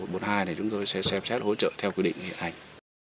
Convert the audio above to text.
thì chúng tôi sẽ xem xét hỗ trợ theo quy định hiện hành